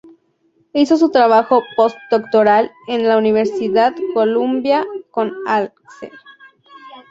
Hizo su trabajo post doctoral en la Universidad Columbia con Axel.